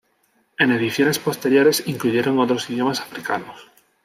En ediciones posteriores incluyeron otros idiomas africanos.